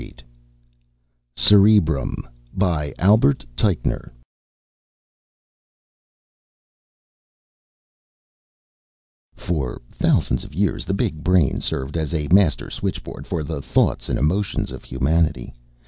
pgdp.net CEREBRUM By ALBERT TEICHNER _For thousands of years the big brain served as a master switchboard for the thoughts and emotions of humanity.